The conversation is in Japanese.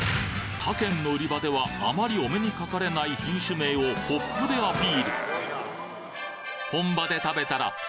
他県の売り場ではあまりお目にかかれない品種名をポップでアピール